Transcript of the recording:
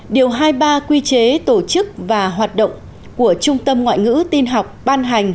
điều hai mươi ba quy chế tổ chức và hoạt động của trung tâm ngoại ngữ tin học ban hành